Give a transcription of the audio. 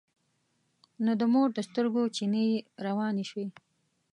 نو د مور د سترګو چينې يې روانې شوې.